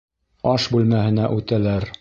Аш бүлмәһенә үтәләр.